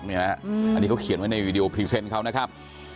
อันนี้เขาเขียนไว้ในวีดีโอพรีเซนต์เขานะครับ